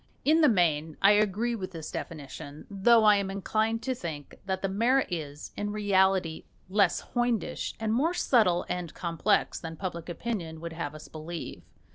In the main I agree with this definition; though I am inclined to think that the mara is, in reality, less hoydenish and more subtle and complex than public opinion would have us believe.